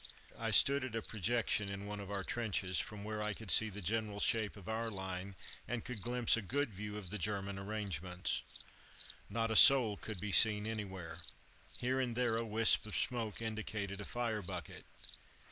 I stood at a projection in one of our trenches, from where I could see the general shape of our line, and could glimpse a good view of the German arrangements. Not a soul could be seen anywhere. Here and there a wisp of smoke indicated a fire bucket.